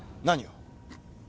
何を？